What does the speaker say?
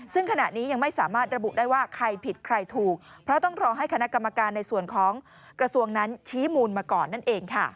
ซึ่งขณะนี้ยังไม่สามารถระบุได้ว่าใครผิดใครถูกเพราะต้องรอให้คณะกรรมการในส่วนของกระทรวงนั้นชี้มูลมาก่อนนั่นเองค่ะ